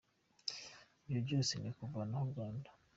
Ibyo byose ni ukuvanaho u Rwanda.